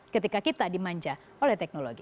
ketika kita dimanja oleh teknologi